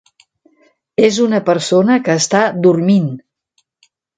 És una persona que està dormint.